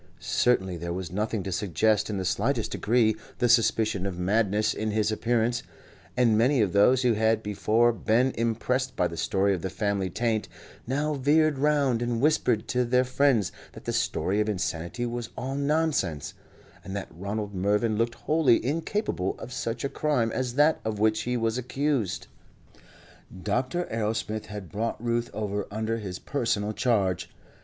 Certainly there was nothing to suggest in the slightest degree the suspicion of madness in his appearance; and many of those who had before been impressed by the story of the family taint, now veered round and whispered to their friends that the story of insanity was all nonsense, and that Ronald Mervyn looked wholly incapable of such a crime as that of which he was accused. Dr. Arrowsmith had brought Ruth over under his personal charge.